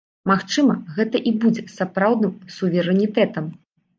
Магчыма, гэта і будзе сапраўдным суверэнітэтам.